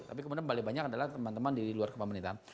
tapi kemudian balik banyak adalah teman teman di luar kepemerintahan